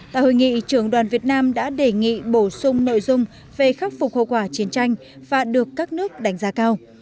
tại hội nghị trưởng đoàn việt nam đã đề nghị bổ sung nội dung về khắc phục hậu quả chiến tranh và được các nước đánh giá cao